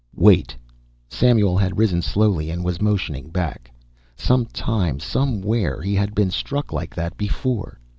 "Wait!" Samuel had risen slowly and was motioning back. Some time, somewhere, he had been struck like that before.